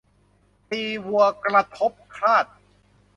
ตีวัวกระทบคราด